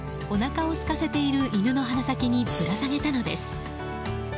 おなかをすかせている犬の鼻先にぶら下げたのです。